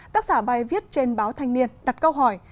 tác giả bài viết trên báo thanh niên đặt câu hỏi